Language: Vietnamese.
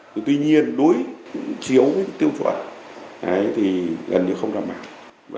thì tuy nhiên đối chiếu với tiêu chuẩn thì gần như không đảm bảo